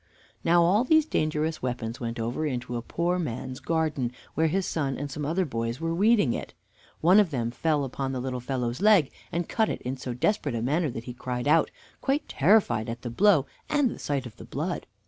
Now all these dangerous weapons went over into a poor man's garden, where his son and some other boys were weeding it. One of them fell upon the little fellow's leg, and cut it in so desperate a manner that he cried out, quite terrified at the blow and sight of the blood.